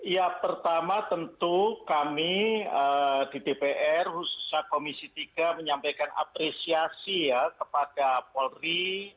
ya pertama tentu kami di dpr khususnya komisi tiga menyampaikan apresiasi ya kepada polri